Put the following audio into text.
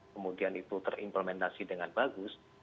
kemudian itu terimplementasi dengan bagus